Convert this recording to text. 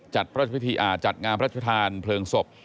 จัดงามพระราชภิทธาณฑ์เผลิงศพ